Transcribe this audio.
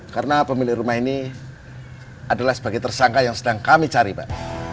karena pemilik rumah ini adalah sebagai tersangka yang sedang kami cari pak